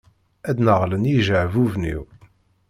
Ad d-neɣlen yijeɛbuben-iw.